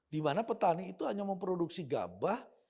dimana petani itu hanya memproduksi gabah